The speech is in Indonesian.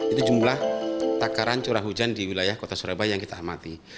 itu jumlah takaran curah hujan di wilayah kota surabaya yang kita amati